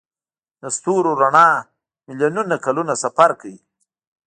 د ستورو رڼا میلیونونه کلونه سفر کوي.